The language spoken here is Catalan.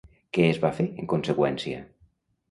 Què es va fer en conseqüència?